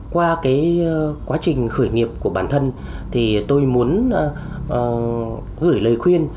qua cái quá trình khởi nghiệp của bản thân thì tôi muốn gửi lời khuyên